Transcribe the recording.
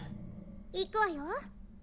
行くわよ